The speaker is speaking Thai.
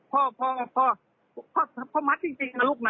พ่อมัดจริงอาลูกแน่